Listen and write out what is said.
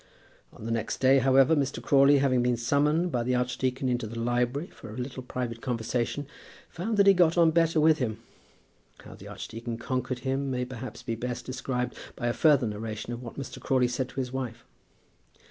On the next day, however, Mr. Crawley, having been summoned by the archdeacon into the library for a little private conversation, found that he got on better with him. How the archdeacon conquered him may perhaps be best described by a further narration of what Mr. Crawley said to his wife.